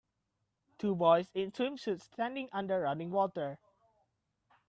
Two boys in swimsuits standing under running water.